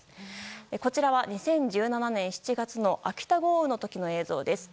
こちらは２０１７年７月の秋田豪雨の時の映像です。